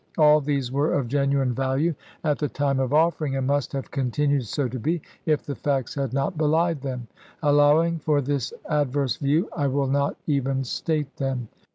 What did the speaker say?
All these were of genuine value at the time of offering; and must have continued so to be, if the facts had not belied them. Allowing for this adverse view, I will not even state them.